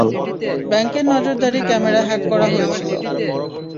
ব্যাংকের নজরদারী camera hack করা হয়েছিলো।